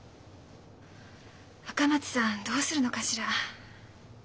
赤松さんどうするのかしら？